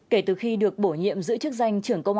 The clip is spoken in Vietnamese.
kể từ khi được bổ nhiệm giữ chức danh trưởng công an